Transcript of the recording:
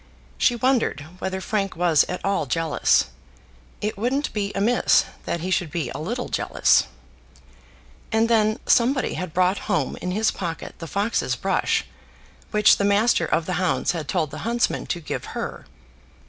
She wondered whether Frank was at all jealous. It wouldn't be amiss that he should be a little jealous. And then somebody had brought home in his pocket the fox's brush, which the master of the hounds had told the huntsman to give her.